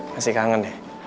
masih kangen deh